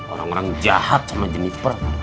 orang orang jahat sama jennifer